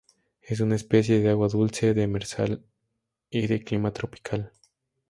Es una especie de agua dulce, demersal y de clima tropical.